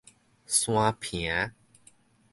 沙坪